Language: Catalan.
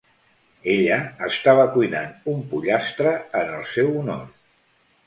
Ella estava cuinant un pollastre en el seu honor.